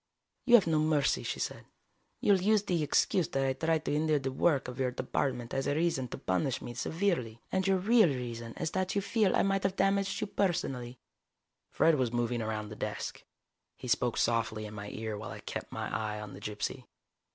"You have no mercy," she said. "You will use the excuse that I tried to hinder the work of your department as a reason to punish me severely and your real reason is that you feel I might have damaged you personally." Fred was moving around the desk. He spoke softly in my ear while I kept my eye on the gypsy.